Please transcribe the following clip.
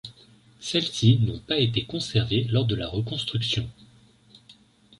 Celles-ci n’ont pas été conservées lors de la reconstruction.